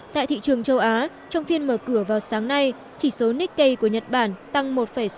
tại thị trường châu á trong phiên mở cửa vào sáng nay chỉ số nikkei của nhật bản tăng một sáu